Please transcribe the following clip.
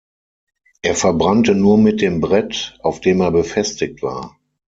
Er verbrannte nur mit dem Brett, auf dem er befestigt war.